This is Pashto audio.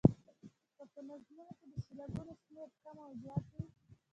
که په نظمونو کې د سېلابونو شمېر کم او زیات وي.